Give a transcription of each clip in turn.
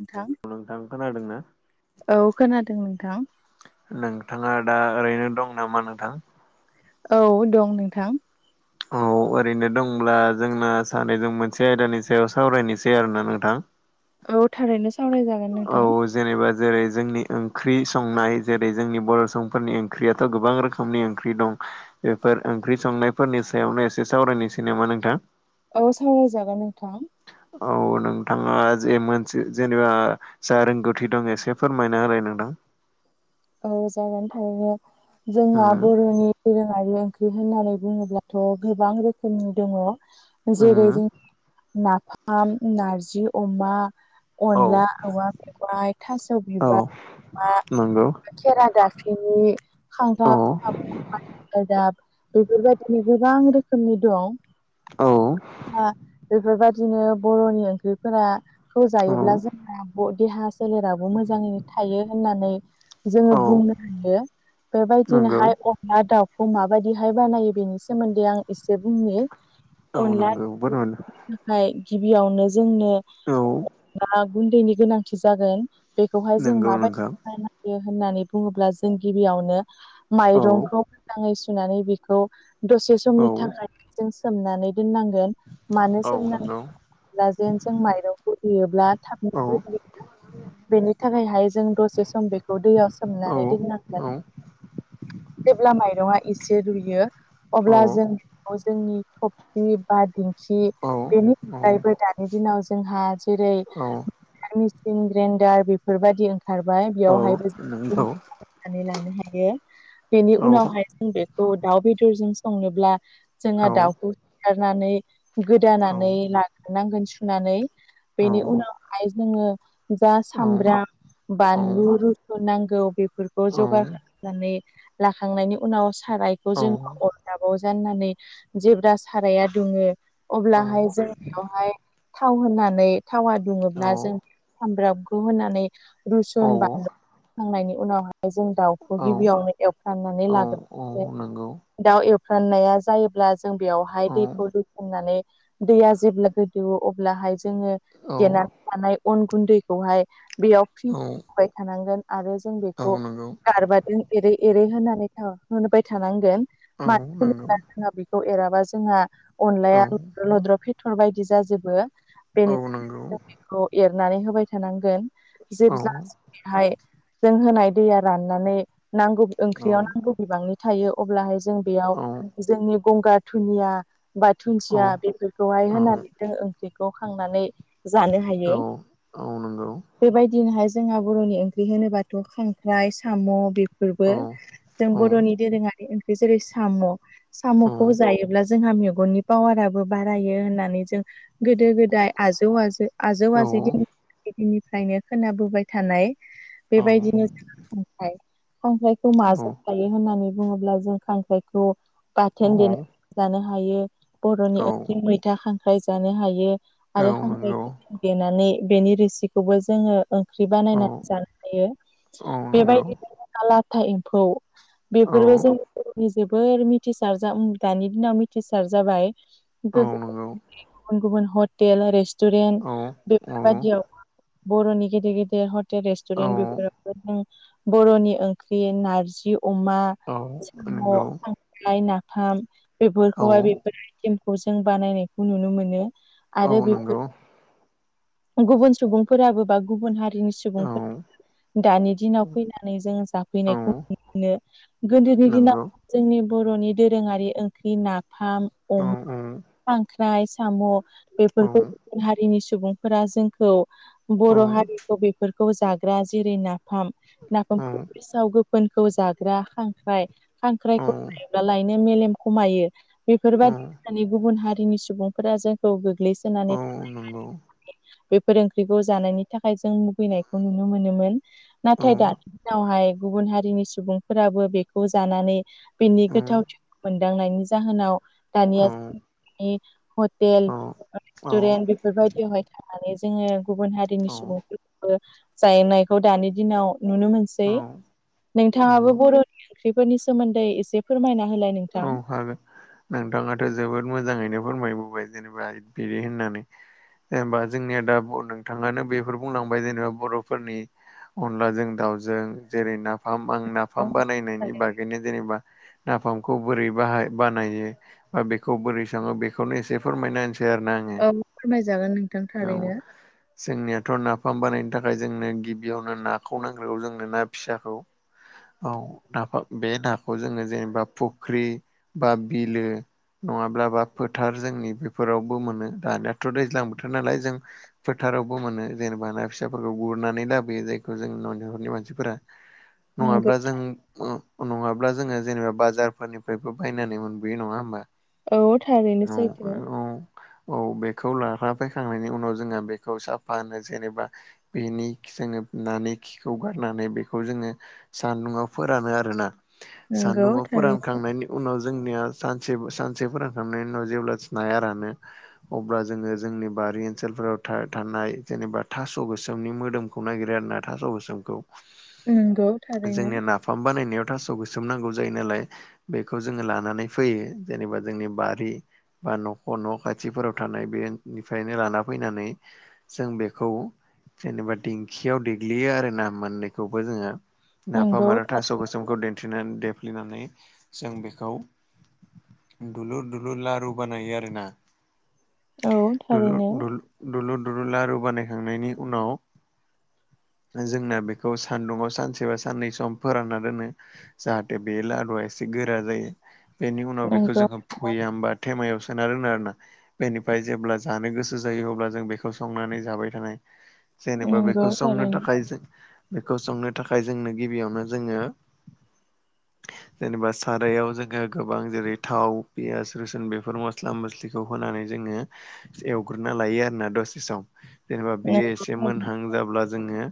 नोंथां औ नोंथां खोनादों ना? औ खोनादों नोंथां। नोंथाङा दा ओरैनो दं नामा नोंथां? औ दं नोंथां औ ओरैनो दंब्ला जोंना सानैजों मोनसे आयदानि सायाव सावरायनोसै आरोना नोंथां। औ थारैनो सावरायजागोन औ नोंथां। जेनेबा जेरै जोंनि ओंख्रि संनाय जेरै जोंनि बर' सुबुंफोरनि ओंख्रियाथ' गोबां रोख समनि ओंख्रि दं बेफोर ओंख्रि संनायफोरनि सायावनो एसे सावरायनोसै नामा नोंथां। औ सावरायजागोन नोंथां। औ नोंथाङा जे मोनसे जेनेबा जा रोंगौथि दं एसे फोरमायना होलाय नोंदां जागोन थारैनो जोंहा उम बर'नि दोरोङारि ओंख्रि होननानै बुङोब्लाथ' गोबां रोखोमनि दङ जेरै उम जों नाफाम नारजि अमा औ अनला औवा मेवाइ थास' औ बिबार अमा नंगौ। खेरादाफिनि औ माथि गालदाब। बेफोरबायदिनो गोबां रोखोमनि दं। औ आ बेफोरबायदिनो बर'नि ओंख्रिफोरा। खौ औ जायोब्ला जोंना देहा सोलेराबो मोजाङै थायो होननानै। जोङो औ बुंनो हायो नंगौ बेबायदिनोहाय अ ना दाउखौ माबायदिहाय बानायो बेनि सोमोन्दै आं एसे बुंनि औ नंगौ अनलानि बोरमोन थाखाय गिबियावनो जोंनो औ अनला गुन्दैनि गोनांथि जागोन बेखौहाय जों नंगौ नोंथां माबायदि। होननानै बुङोब्ला जों गिबियावनो औ माइरंखौ मोजाङै सुनानै बेखौ दसे औ समनि थाखाय जों सोमनानै दोननांगोन मानो औ सोमनानै नंगौ दोनो होनोब्ला जों माइरंखौ देयोब्ला थाबनो औ जायो बेनि थाखायहाय जों दसे सम बे दैयाव औ सोमनानै दोननांगोन औ जेब्ला माइरंङा एसे रुयो। अब्ला जों जोंनि थबसि बा दिंखि औ बेनि अनगायैबो दानि दिनाव जोंहा जेरै औ मिचन ग्रेइनडार बेफोरबायादि ओंखारबाय बेयावहाय नोंथौ [unintelligible] नानै लानो हायो बेनि औ उनावहाय जों बेखौ दाउ बेदरजों संनोब्ला। औ जोङो दाउखौ सिाथारनानै औ गोदानानै लागोरनांगोन सुनानै बेनि उनावहाय जोङो जा औ सामब्राम बानलुु नांगौ बेफोरखौ जगार खालामनानै लाखांनायनि उनाव सारायखौ जोङो अरदाबाव जाननानै जेब्ला साराया दुङो। अब्लाहाय जों बेयावहाय थाव होननानै थावा दुङोब्ला जों सामब्रामखौ होनानै रुसुन बानलु। खांनायनि उनावहाय जों दाउखौ गिबियावनो एवफ्रांनानै लाग्रोनाय नंगौ जायो। दाउ एवफ्राननाया जायोब्ला जों बेयावहाय औ दैखौ लुसननानै दैया जेब्ला गोदौवो अब्लाहाय जोङो औ देना। लानाय अन गुन्दैखौहाय बेयाव। फ्रि फ्रि औ होबाय थानांगोन आरो जों बेखौ औ नंगौ गारबाजों एरै एरै होनानै होबाय थानांगोन औ मानो नंगौ होनोबा जोंहा बेखौ एराबा जोंहा अनलाया औ लद्र लद्र पिटर बायदि जाजोबो बेनि औ नंगौ थाखायनो जों बेखौ एरनानै होबाय थानांगोन जेब्ला बेहाय जों होनाय दैया राननानै नांगौ औ ओंख्रियाव औ नांगौ बिबांनि थायो अब्लाहाय जों बेयाव औ जोंनि गंगार दुनिया बा औ दुन्सिया बेफोरखौहाय होनानै जों ओंख्रिखौ खांनानै जानो औ हायो औ नंगौ बेबायदिनोहाय जोंहा बर'नि ओंख्रि होनोबाथ' खांख्राइ साम' बे औ फोरबो जों औ बर'नि दोरोङारि ओंख्रि जेरै साम' औ साम'खौ जायोब्ला जोंहा मेगननि पावाराबो बारायो होननानै जों गोदो गोदाय आजौ आजौ आजौ आजै दिननिफ्रायनो खोनाबोबाय थानाय औ बेबायदिनो जोंहा खांख्राय खांख्रायखौ औ माजों हायो होननानै बुङोब्ला जों खांख्राइखौ औ बाथोन देनानै जानो हायो बर'नि ओंख्रि मैथा खांख्राइ जानो हायो औ आरो हांख्राय नंगौ देनानै बेनि रोसिखौबो जोङो ओंख्रि औ बानायनानै जानो हायो औ नंगौ बेबायदिनो लाथा एम्फौ औ बेफोरबो जों जोबोर मिथिसार दानि दिनाव मिथिसार जाबाय औ नंगौ गुबुन गुबुन हटेल रेहथुरेनट रेस्टुरेन्ट औ औ बेफोरबायदियाव बर'नि गेदेर गेदिर हथेल जेरै औ रेस्टुरेन्ट बेफोरावबो जों बर'नि ओंख्रि नारजि अमा साम नंगौ खांख्राय नाफाम औ बेफोरखौहाय बेफोर आइटेमखौ जों बानायनायखौ नुनो मोनो औ आरो बे नंगौ गुबुन सुबुंफोराबो बा गुबुन हारि औ सुबुंफोर दानि दिनाव फैनानै जोङो औ जाफैनायखौ नुनो मोनो गोदोनि दिनाव नंगौ जोंनि बर'नि दोरोङारि ओंख्रि नाफाम औ औ अमा खांख्राइ साम' औ बेफोरखौ गुबुन हारिनि सुबुंफोरा जोंखौ औ बर' हारि बेफोरखौ जाग्रा जेरै नाफाम नाफामखौ गेसाव फोनखौ जाग्रा खांख्राइ खांख्राइखौ जायोब्ला लायनो मेलेम खमायो बेफोरबायदि होननानै गुबुन हारिनि सुबुंफोरा जोंखौ औ गोग्लैसोनानै नंगौ थानाय बेफोर ओंख्रिखौ जानायनि थाखाय जों मुगैनायखौ नुनो मोनोमोन औ नाथाय दानि दिनावहाय गुबुन हारिनि सुबुंफोराबो बेखौ जानानै बेनि औ गोथावथिखौ मोनदांनायनि जाहोनाव दानिया हटेल औ रेस्टुरेन्ट बेफोरबायदियावहाय थानानै जोङो गुबुन हारिनि सुबुं जाहैनायखौ दानि दिनाव नुनो औ मोनसै औ नंगौ नोंथाङाबो बर' ओंख्रिफोरनि सोमोन्दै एसे फोरमायना होलाय नोंथां औ हागोन नोंथाङाथ' जोबोद मोजाङैनो फोरमायबोबाय जेनेबा बिदि होननानै जेनेबा जोंनिया दा नोंथाङानो बेफोर बुंलांबाय जेनेबा बर'फोरनि अनलाजों दाउजों जेरै नाफाम आं औ नाफाम बानायनायनि बागैनो जेनेबा फमखौ बोरै बाहाय बानायो बा बेखौ बोरै सङो बेखौनो एसे फोरमायना होनसै आरोना आङो औ फोरमायजागोन नोंथां औ थारैनो जोंनियाथ' नाफाम बानायनो थाखाय जोंनो गिबियावनो नाखौ नांग्रायाव जोंनो ना फिसाखौ औ ना बे नाखौ जोङो जेनेबा फुख्रि बा बिलो नङाब्लाबा फोथार जोंनि बेफोरावबो मोनो दानियाथ' दैज्लां बोथोर नालाय जों फोथारावबो मोनो जेनेबा ना फिसाफोरखौ गुरनानै लाबोयो जायखौ जों न'नि मानसि फोरा नंगौ नङाब्ला जों नङाब्ला जोङो जेनेबा बाजार निफ्रायबो बायनानै मोनबोयो नङा होमबा औ थारैनो औ सैथो औ औ बेखौ लाफ्रा फैखांनायनि उनाव जोंहा बेखौ साफा होनो जेनेबा बेनि जोङो नानि खिखौ गारनानै बेखौ जोङो सान्दुंआव फोरानो आरोना नोंगौ सान्दुङाव फोरानखांनायनि उनाव जोंनिया सानसे सानसे फोरानखांनायनि उनाव जेब्ला नाया रानो अब्ला जोङो जोंनि बारि ओनसोलफोराव थानाय जेनेबा थास' गोसोमनि मोदोम खौ नागिरो आर ना थास' गोसोमखौ नंगौ थारैनो जोंनिया नाफाम बानायनायाव थास' गोसोम नांगौ जायो नालाय बेखौ जोङो लानानै फैयो जेनेबा जोंनि बारि बा न'खर न' खाथिफोराव थानाय बेनिफ्रायनो लाना फैनानै जों बेखौ जेनेबा दिंखियाव देग्लियो आरोना मोननैखौबो जोङो नाफाम नंगौ आरो थास' थारैनो गोसोमखौ दिन्थिनानै देफ्लिनानै जों बेखौ दलुर दलुर लु बानाया आरो आरो ना औ दलुर थारैनो दल दुलुर दुरु लारु बानायखांनायनि उनाव जोंना बेखौ सान्दुंङआव सानसेबा साननै सम फोरानना दोनो जाहाथे बे लादुआ एसे गोरा जायो बेनि उनाव बेखौ नंगौ जोङो फुया होनबा थेमायाव सोना रोङो आरो ना बेनिफ्राय जेब्ला जानो गोसो जायो अब्ला जों बेखौ संनानै जाबाय थानाय जेनेबा नंगौ बेखौ संनो थारैनो थाखाय जों बेखौ संनो थाखाय जोंनो गिबियावनो जोङो जेनेबा सारायाव जोङो गोबां जेरै थाव पियास रुसुन बेफोर मस्ला मस्लि बेखौ होनानै जोङो एवग्रोनना लायो आरोना दसेसम जेनेबा बेयो नंगौ एसे मोनहां जाब्ला जोङो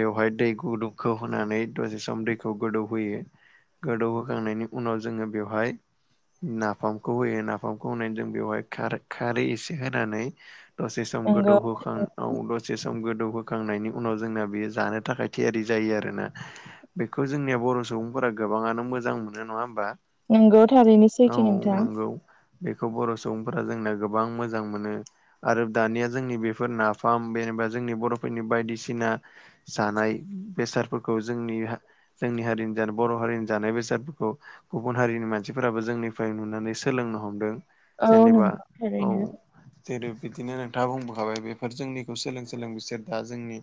बेवहाय दै गुदुंखौ होनानै दसे सम दैखौ गोदौहोयो गोदौहोखांनायनि उनाव जोङो बेवहाय नाफामखौ होयो नाफामखौ होनानै जों बेवहाय खारै एसे होनानै दसे सम नंगौ गोदौहोखां औ दसे सम गोदौहोखांनायनि उनाव जोंना बेयो जानो थाखाय थियारि जायो आरोना बेखौ जोंनिया बर' सुबुंफोरा गोबाङानो मोजां मोनो नङा होमबा नंगौ थारैनो औ सैथो नोंथां नंगौ बेखौ बर' सुबुंफोरा जोंना गोबां मोजां मोनो आरो दानिया जोंनि बेफोर नाफाम जेनेबा जोंनि बर'फोरनि बायदिसिना जानाय बेसादफोरखौ जोंनि जोंनि हारिनि जानो बर' हारिनि जानाय बेसादफोरखौ गुबुन हारिनि मानसिफोराबो जोंनिफ्राय नुनानै सोलोंनो हमदों औ जेनेबा नंगौ औ थारैनो जेरै बिदिनो नोंथाङा बुंबोखाबाय बेफोर जोंनिखौ सोलों सोलों बिसोर दा जोंनि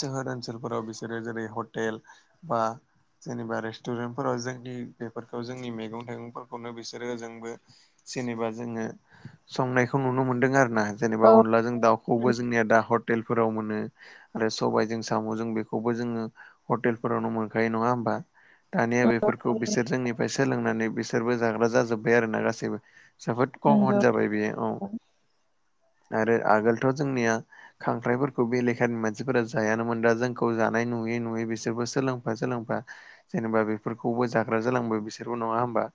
सोहोर ओनसोलफोराव बिसोरो जेरै हटेल बा जेनेबा रेस्टुरेन्टफोराव जोंनि बेफोरखौ जोंनि मैगं थाइगंफोरखौनो बिसोरो जोंबो जेनेबा जोङो संनायखौ नुनो मोनदों आरो ना जेनेबा औ अनलाजों दाउखौबो थारैनो जोंनिया दाहर हटेल फोराव मोनो आरो सबायजों साम'जों बेखौबो जोङो हटेलफोरावनो मोन दखायो नङा होमबा दानिया बे खौ बिसोर जोंनिफ्राय सोलोंनानै बिसोरबो जाग्रा जाजोब्बाय आरो ना गासैबो जोबोद खमन नंगौ जाबाय बेयो औ आरो आगोलथ' जोंनिया खांख्राइफोरखौ बे लेखानि मानसिफोरा जायानोमोन दा जोंखौ जानाय नुयै नुयै बिसोरबो सोलों फा जोलांबा जेनेबा बेफोरखौबो जाग्रा जालांबो बिसोरबो नङा होमबा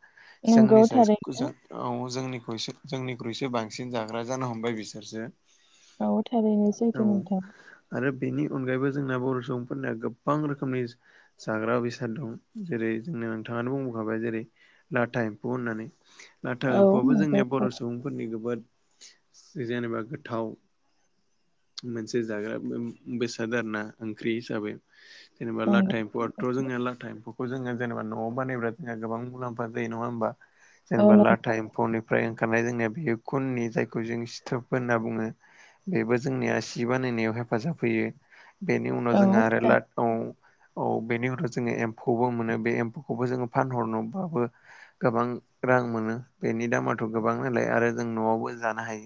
नोंगौ जोंनि साइज जों थारैनो औ जोंनिख्रसो जोंनिख्रुइसो बांसिन जाग्रा जानो हमबाय बिसोरसो औ थारैनो औ जैगो नोंथां आरो बेनि अनगायैबो जोंना बर' सुबुंफोरनिया गोबां रोखोमनि जाग्रा बेसाद दं जेरै जोंनो नोंथाङानो बुंबोखाबाय जेरै लाथा एम्फौ होननानै लाथा औ एम्फौआबो नंगौ जोंनिया बर' सुबुंफोरनि जोबोद जेनेबा गोथाव मोनसे जाग्रा बेसाद आरोना ओंख्रि हिसाबै जेनेबा लाथा नंगौ एम्फआथ जोनिया लाथा एम्फौखौ जोङो जेनेबा न'आव बानायोबा जोंहा गोबां मुलाम्फा जायो नङा होमबा औ जेनेबा नंगौ लाथा एम्फौनिफ्राय ओंखारनाय जोंनिया बेयो खुननि जायखौ जों सिथोब होनना बुङो बेबो जोंनिया सि बानायनायाव हेफाजाब होयो बेनि औ उनाव नंगौ जोंहा आरो लाटाव औ बेनि उनाव जोङो एम्फौबो मोनो बे एम्फौखौबो जोङो फानहरनोबाबो गोबां रां मोनो बेनि दामाथ गोबां नलाय आरो जों न'आवबो जानो हायो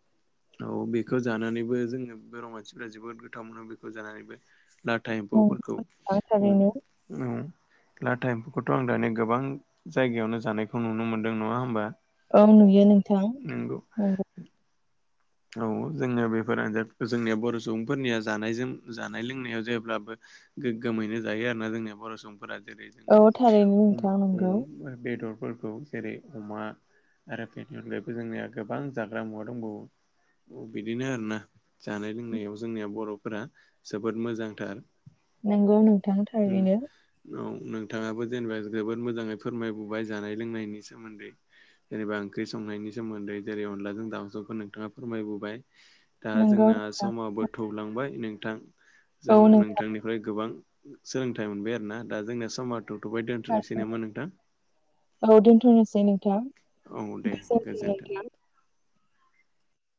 [inaudible] औ बेखौ जानानैबो जों बर' मानसिफोरा जोबोद गोथाव मोनो बेखौ जानानैबो लाथा नोंथां एम्फौफोरखौ औ थारैनो औ लाथा एम्फौखौथ आं दानि गोबां जायगायावनो जानायखौ नुनो मोनदों नङा होमबा औ नुयो नोंथां नंगौ औ जोनिया बेफोर आनजाफोरखौ जोंनिया बर' सुबुंफोरनिया जानायजों जानाय लोंनायाव जेब्लाबो गोग्गोमैनो जायो आरोना जोंनिया बर' सुबुंफोरा जेरै औ थारैनो जोङो अमा नोंथां नंगौ अमा बेदरफोरखौ जेरै अमा आरो बेनि अनगायैबो जोंनिया गोबां जाग्रा मुवा दंबावो बिदिनो आरोना जानाय लोंनायाव जोंनिया बर'फोरा जोबोद मोजांथार नोंगौ नोंथां थारैनो औ नोंथाङाबो जेनेबा जोबोद मोजाङै फोरमायबोबाय जानाय लोंनायनि सोमोन्दै जेनेबा ओंख्रि संनायनि सोमोन्दै जेरै अनदलाजों दाउसौखौ नोंथाङा फोरमायबोबाय दा नंगौ जोंना नोंथां समाव बो थौलांबाय नोंथां जों औ नोंथां नोंथांनिफ्राय गोबां सोलोंथाइ मोनबाय आरोना दा जोंनिया समारथ थौबाय दोनथनोसै थारैनो नामा नोंथां औ दोनथनोसै नोंथां औ दे गोजोनथों गोजोन्थों नोंथां